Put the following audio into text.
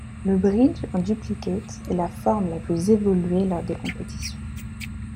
Le Bridge en duplicate est la forme la plus évoluée lors des compétitions.